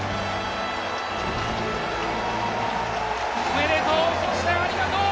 おめでとう。